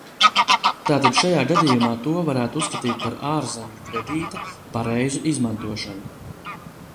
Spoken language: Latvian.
Tātad šajā gadījumā to varētu uzskatīt par ārzemju kredīta pareizu izmantošanu.